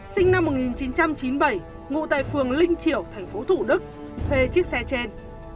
sinh năm một nghìn chín trăm chín mươi bảy ngụ tại phường linh triểu tp thủ đức thuê chiếc xe trên